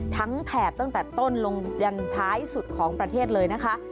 แถบตั้งแต่ต้นลงยันท้ายสุดของประเทศเลยนะคะ